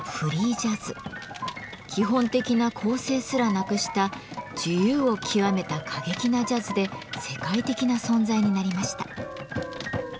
基本的な構成すらなくした自由を極めた過激なジャズで世界的な存在になりました。